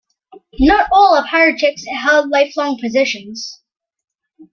Not all apparatchiks held lifelong positions.